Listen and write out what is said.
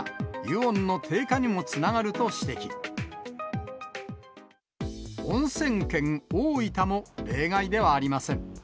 おんせん県、大分も例外ではありません。